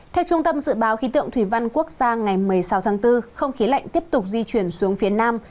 theo trung tâm dự báo khí tượng thủy văn quốc gia ngày một mươi sáu tháng bốn không khí lạnh tiếp tục di chuyển xuống phía nam